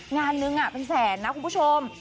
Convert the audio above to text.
งานนึงเป็นแสนนะคุณผู้ชม